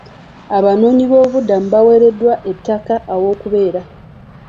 Abanoonyiboobubudamu baaweereddwa ettaka ew'okubeera.